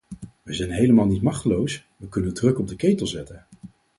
Wij zijn helemaal niet machteloos, wij kunnen druk op de ketel zetten.